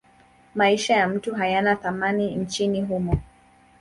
Maisha ya mtu hayana thamani nchini humo.